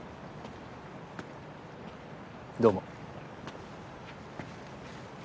どうも。